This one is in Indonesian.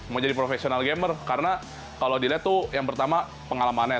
mau jadi professional gamer karena kalau dilihat tuh yang pertama pengalamannya